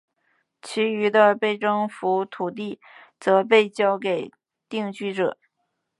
其余的被征服土地则被交给定居者。